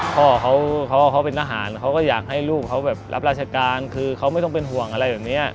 พ่อเขาเป็นทหารเขาก็อยากให้ลูกเขาแบบรับราชการคือเขาไม่ต้องเป็นห่วงอะไรแบบนี้